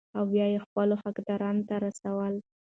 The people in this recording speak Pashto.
او بيا خپلو حقدارانو ته رسول ،